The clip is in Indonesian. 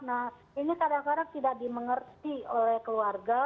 nah ini kadang kadang tidak dimengerti oleh keluarga